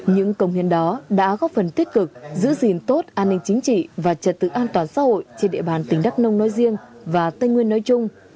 những công hiến đó đã góp phần tích cực giữ gìn tốt an ninh chính trị và trật tự an toàn xã hội trên địa bàn tỉnh đắk nông nói riêng và tây nguyên nói chung